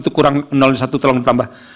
itu kurang satu tolong ditambah